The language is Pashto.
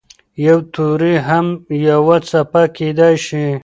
یو توری هم یوه څپه کېدای شي.